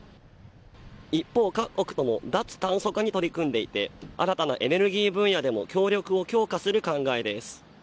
一方、各国とも脱炭素化に取り組んでいて新たなエネルギー分野でも協力を強化する考えです。